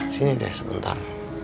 sini deh sebentar